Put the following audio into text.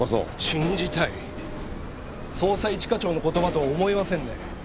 捜査一課長の言葉とは思えませんね。